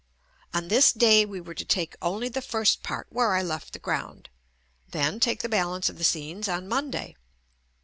On this day we were to take only the first part where I left the ground, then take the bal ance of the scenes on Monday.